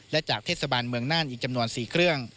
และจากเทศบาลเมืองน่านอีกจำนวน๔เครื่อง